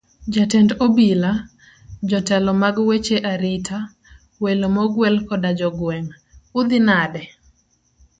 Jatend obila, jotelo mag weche arita, welo mogwel koda jogweng', udhi nade?